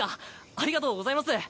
ありがとうございます。